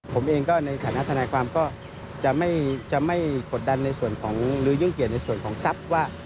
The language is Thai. ผมเองก็ในฐานะทนายความก็จะไม่กดดันในส่วนของหรือยุ่งเกี่ยวในส่วนของทรัพย์ว่า